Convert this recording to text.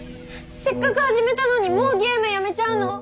せっかく始めたのにもうゲームやめちゃうの？